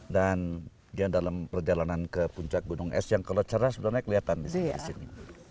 dan dia dalam perjalanan ke puncak gunung es yang kalau cerah sebenarnya kelihatan di sini